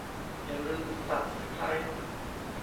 อย่าลืมซับสไครบ์